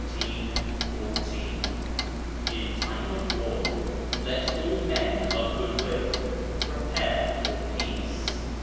_ 'In time of war let all men of good will prepare for peace.'